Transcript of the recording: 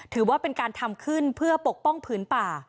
ถือว่าเป็นการทำขึ้นเพื่อปกป้องผืนป่า